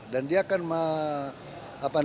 dan dia akan menjelaskan